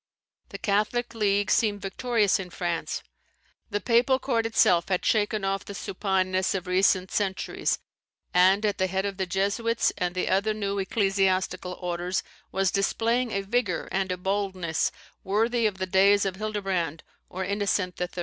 The Catholic league seemed victorious in France. The Papal Court itself had shaken off the supineness of recent centuries; and, at the head of the Jesuits and the other new ecclesiastical orders, was displaying a vigour and a boldness worthy of the days of Hildebrand or Innocent III.